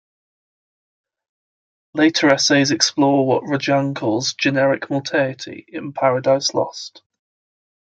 Later essays explore what Rajan calls "generic multeity" in "Paradise Lost".